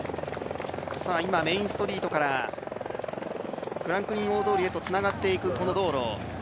メインストリートからフランクリン大通りへとつながっていくこの道路。